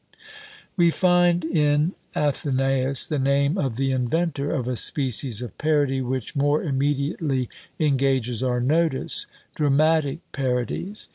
We find in AthenÃḊus the name of the inventor of a species of parody which more immediately engages our notice DRAMATIC PARODIES.